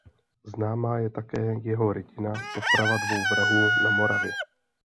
Známá je také jeho rytina "Poprava dvou vrahů na Moravě".